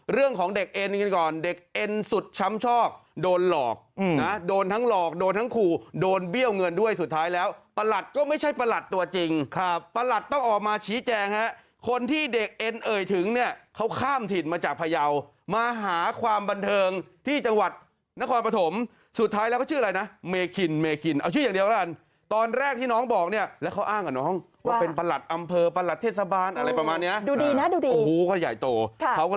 เรื่องของเด็กเอ็นกันก่อนเด็กเอ็นสุดช้ำชอกโดนหลอกนะโดนทั้งหลอกโดนทั้งขู่โดนเบี้ยวเงินด้วยสุดท้ายแล้วประหลัดก็ไม่ใช่ประหลัดตัวจริงครับประหลัดต้องออกมาชี้แจงฮะคนที่เด็กเอ็นเอ่ยถึงเนี่ยเขาข้ามถิ่นมาจากพยาวมาหาความบันเทิงที่จังหวัดนครปฐมสุดท้ายแล้วก็ชื่ออะไรนะเมคินเมคินเอาชื่ออย่าง